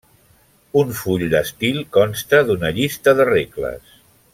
Un full d'estil consta d'una llista de regles.